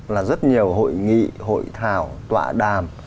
là rất nhiều hội nghị hội thảo tọa đàm